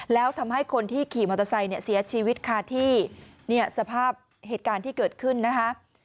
แล้วทำให้คนที่ขี่มอเตอร์ไซค์เนี่ยเสียชีวิตค่ะที่เนี่ยสภาพเหตุการณ์ที่เกิดขึ้นนะคะ